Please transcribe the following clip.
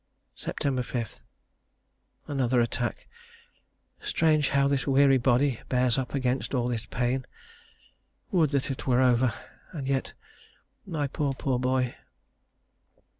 Sept. 5. Another attack. Strange how this weary body bears up against all this pain. Would that it were over; and yet my poor, poor boy....